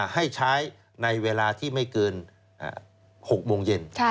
ให้ใช้ในเวลาที่ไม่เกิน๖โมงเย็น